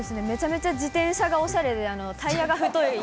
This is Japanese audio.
めちゃめちゃ自転車がおしゃれで、タイヤが太い。